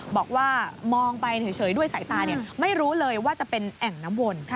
บอกว่ามองไปเฉยด้วยสายตาไม่รู้เลยว่าจะเป็นแอ่งน้ำวน